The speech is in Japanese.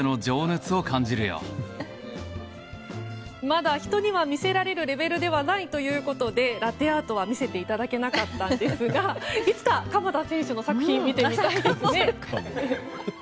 まだ人には見せられるレベルではないということでラテアートは見せていただけなかったんですがいつか、鎌田選手の作品見てみたいですよね。